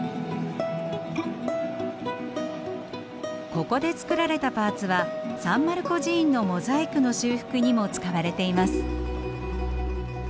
ここで作られたパーツはサン・マルコ寺院のモザイクの修復にも使われています。